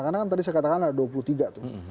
karena kan tadi saya katakan ada dua puluh tiga tuh